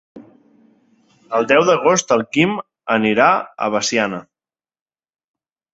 El deu d'agost en Quim anirà a Veciana.